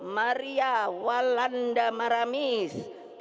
maria wallanda maramis